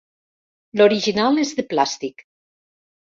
L'original és de plàstic.